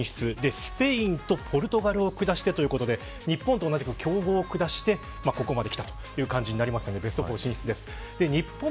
スペインとポルトガルを下してということで日本と同じく強豪を下してここまできたという感じなのでベスト４進出です。